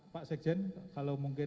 pak sekjen kalau mungkin